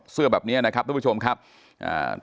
แบบเนี้ยนะครับทุกผู้ชมครับอ่า